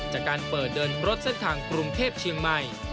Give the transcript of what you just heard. จากการเปิดเดินรถเส้นทางกรุงเทพเชียงใหม่